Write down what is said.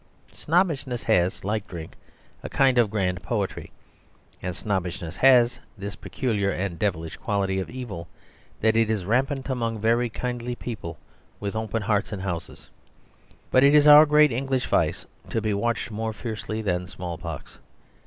Snobbishness has, like drink, a kind of grand poetry. And snobbishness has this peculiar and devilish quality of evil, that it is rampant among very kindly people, with open hearts and houses. But it is our great English vice; to be watched more fiercely than small pox.